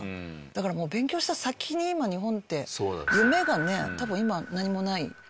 だからもう勉強した先に今日本って夢がね多分今何もないと思うんですけど。